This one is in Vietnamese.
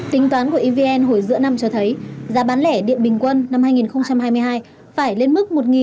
tính toán của evn hồi giữa năm cho thấy giá bán lẻ điện bình quân năm hai nghìn hai mươi hai